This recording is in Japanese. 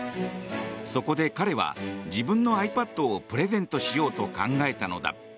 そこで、彼は自分のｉＰａｄをプレゼントしようと考えたのだ。